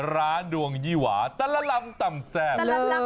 ร้านดวงยี่หวาตลลำต่ำแซ่บ